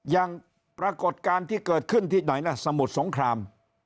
อย่างปรากฏการณ์ที่เกิดขึ้นที่ไหนล่ะสมุทรสงคราม